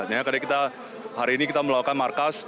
jadi kita hari ini kita melakukan markas